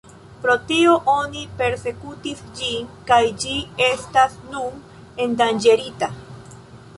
Pro tio oni persekutis ĝin kaj ĝi estas nun endanĝerita.